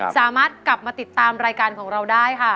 สามารถกลับมาติดตามรายการของเราได้ค่ะ